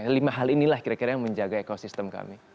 lima hal inilah kira kira yang menjaga ekosistem kami